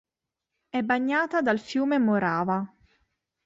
È bagnata dal fiume Morava.